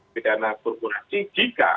tindak pidana korporasi jika